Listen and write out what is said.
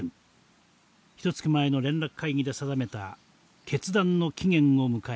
１か月前の連絡会議で定めた決断の期限を迎えました。